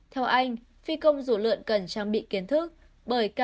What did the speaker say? theo anh phi công rủ lượn cần trang bị kiến thức